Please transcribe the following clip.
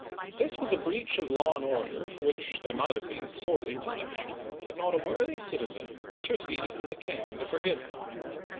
This was a breach of law and order for which they might have been sorely punished, had not a worthy citizen interceded with the king to forgive them.